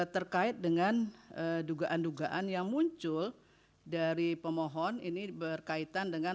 terkait dengan dugaan dugaan yang muncul dari pemohon ini berkaitan dengan